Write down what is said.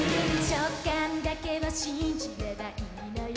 「直感だけを信じればいいのよ